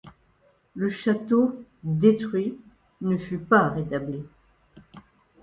Le château, détruit, ne fut pas rétabli.